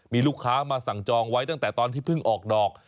มีลูกค้ามาสั่งจองไว้ตั้งแต่ตอนที่เพิ่งออกดอก